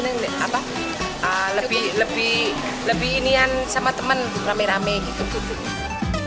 ini lebih lebih lebih ini kan sama temen rame rame gitu